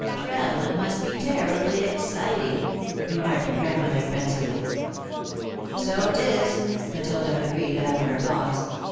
"Travellin' must be terribly exciting," remarked Grandmother, pensively. "So 'tis," Matilda agreed after a pause.